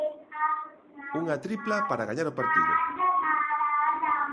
Unha tripla para gañar o partido.